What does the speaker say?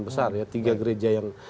besar ya tiga gereja yang